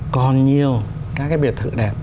còn nhiều các cái biệt thự đẹp